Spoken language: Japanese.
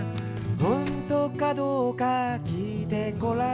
「ほんとかどうかきいてごらん」